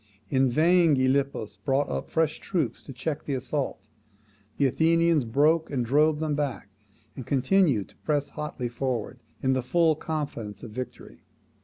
In vain Gylippus brought up fresh troops to check the assault: the Athenians broke and drove them back, and continued to press hotly forward, in the full confidence of victory.